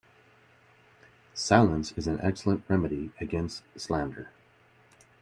Silence is an excellent remedy against slander.